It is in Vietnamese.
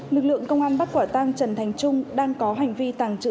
lực lượng công an bắt quả tăng trần thành trung đang có hành vi tàng trữ